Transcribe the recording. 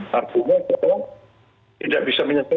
hargumnya itu tidak bisa menyebabkan